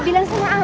pak ei enggak sih